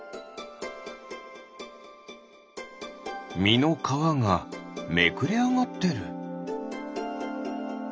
みのかわがめくれあがってる。